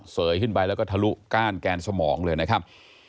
เสยขึ้นไปแล้วก็ทะลุก้านแกนสมองเลยนะครับ